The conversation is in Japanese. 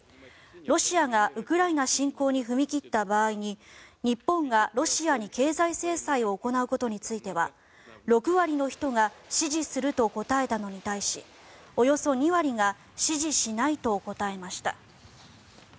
ロシアがウクライナ侵攻に踏み切った場合に日本がロシアに経済制裁を行うことについては６割の人が支持すると答えたのに対しおよそ２割が支持しないと答えました。